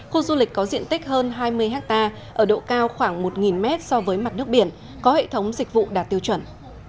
khu du lịch có diện tích hơn hai mươi ha ở độ cao khoảng một mét so với mặt nước biển có hệ thống dịch vụ đạt tiêu chuẩn